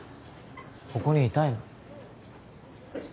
ここにいたいの？